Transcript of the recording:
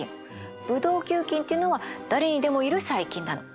ブドウ球菌っていうのは誰にでもいる細菌なの。